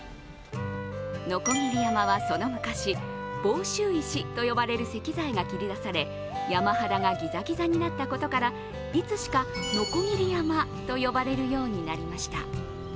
鋸山はその昔、房州石と呼ばれる石材が切り出され、山肌がギザギザになったことから、いつしか鋸山と呼ばれるようになりました。